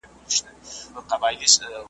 لوي مذهب انسانیت دی